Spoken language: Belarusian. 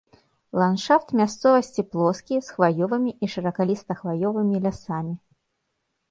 Ландшафт мясцовасці плоскі з хваёвымі і шыракаліста-хваёвымі лясамі.